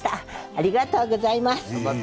ありがとうございます。